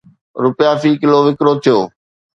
رپيا في ڪلو وڪرو ٿيو